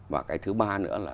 và cái thứ ba nữa là